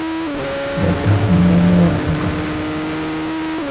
لا تهم موافقته.